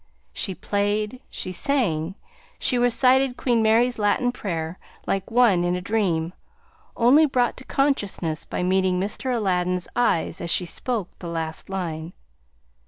She played, she sang, she recited Queen Mary's Latin prayer, like one in a dream, only brought to consciousness by meeting Mr. Aladdin's eyes as she spoke the last line.